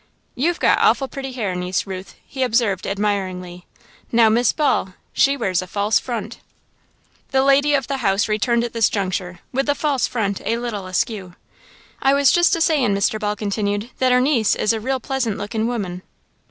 "You've got awful pretty hair, Niece Ruth," he observed, admiringly; "now Mis' Ball, she wears a false front." The lady of the house returned at this juncture, with the false front a little askew. "I was just a sayin'," Mr. Ball continued, "that our niece is a real pleasant lookin' woman."